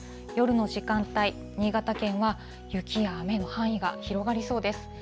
夜の時間帯、新潟県は雪や雨の範囲が広がりそうです。